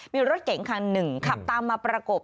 มีรถเก่งค่ะ๑ขับตามมาประกบ